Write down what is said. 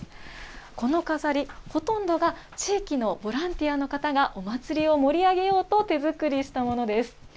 この飾り、ほとんどが地域のボランティアの方がお祭りを盛り上げようと、手作りしたものです。